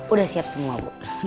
udah siap semua bu